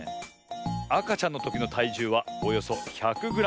あかちゃんのときのたいじゅうはおよそ１００グラム。